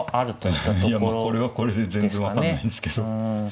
いやもうこれはこれで全然分かんないんですけど。